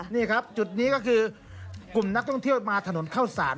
นี่ครับจุดนี้ก็คือกลุ่มนักท่องเที่ยวมาถนนเข้าสาร